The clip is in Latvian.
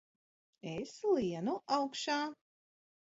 Es lienu augšā!